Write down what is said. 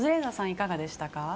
いかがでしたか？